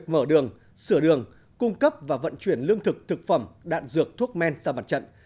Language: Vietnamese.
cung cấp và vận chuyển lương thực thực phẩm đạn dược thuốc men ra mặt trận